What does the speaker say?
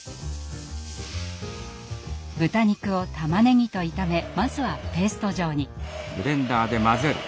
豚肉を玉ねぎと炒めまずはペースト状に。